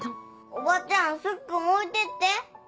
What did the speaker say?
おばちゃんスッくん置いてって！